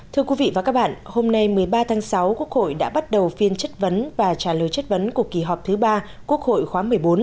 thưa quý vị và các bạn hôm nay một mươi ba tháng sáu quốc hội đã bắt đầu phiên chất vấn và trả lời chất vấn của kỳ họp thứ ba quốc hội khóa một mươi bốn